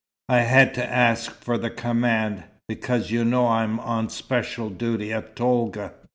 I had to ask for the command, because you know I'm on special duty at Tolga.